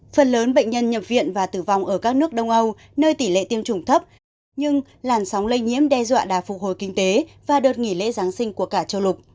phần lớn bệnh nhân nhập viện và tử vong ở các nước đông âu nơi tỷ lệ tiêm chủng thấp nhưng làn sóng lây nhiễm đe dọa đà phục hồi kinh tế và đợt nghỉ lễ giáng sinh của cả châu lục